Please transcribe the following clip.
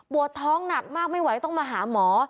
ท้องหนักมากไม่ไหวต้องมาหาหมอ